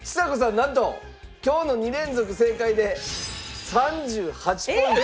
なんと今日の２連続正解で３８ポイントに。